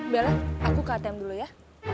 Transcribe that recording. bella aku ke atm dulu ya